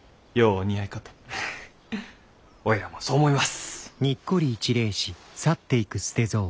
おいらもそう思います。